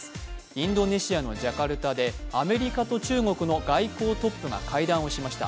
インドネシアのジャカルタでアメリカと中国の外交トップが会談をしました。